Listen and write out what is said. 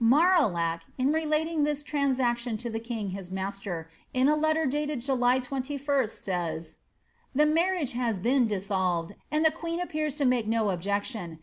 Marillac, in relating this transaction to the king his master^ in a letter dated July 21st, says, — The marriage has been disK'lved, and the queen appears to make no olqec tion.